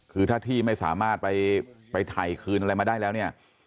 คือถ้าที่ไม่สามารถไปถ่ายคืนอะไรมาได้แล้วเนี่ย